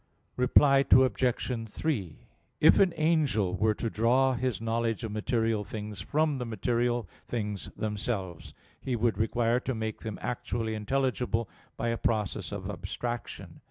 Reply Obj. 3: If an angel were to draw his knowledge of material things from the material things themselves, he would require to make them actually intelligible by a process of abstraction.